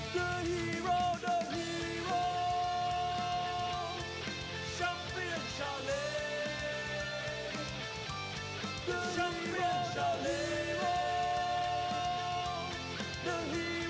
กันต่อแพทย์จินดอร์